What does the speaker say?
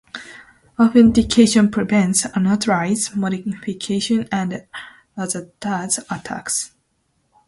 Authentication prevents unauthorized modification and other DoS attacks.